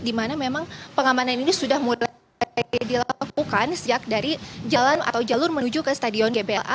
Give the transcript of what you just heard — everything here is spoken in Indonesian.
di mana memang pengamanan ini sudah mulai dilakukan sejak dari jalan atau jalur menuju ke stadion gbla